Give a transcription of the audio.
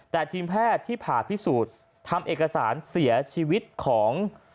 แต่ทีมแพทย์ที่ผ่าพิสูจน์ทำเอกสารเสียชีวิตของ